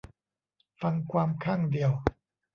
ฟังความข้างเดียว